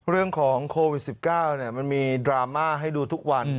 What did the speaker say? เรื่องของโควิด๑๙มันมีดราม่าให้ดูทุกวัน